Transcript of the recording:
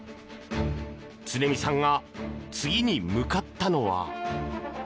常見さんが次に向かったのは。